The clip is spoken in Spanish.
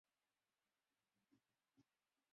La ciudad de Bradford cuenta con dos estaciones de trenes.